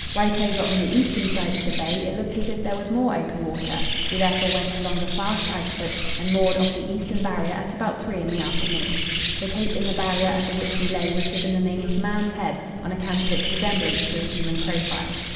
Right over on the eastern side of the bay it looked as if there was more open water; we therefore went along the fast ice foot and moored off the eastern Barrier at about three in the afternoon. The cape in the Barrier, under which we lay, was given the name of "Man's Head," on account of its resemblance to a human profile.